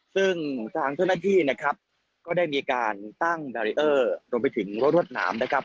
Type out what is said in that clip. ซึ่งทางเทพนักที่นะครับก็ได้มีการตั้งบาริเวอร์ลงไปถึงรถน้ำนะครับ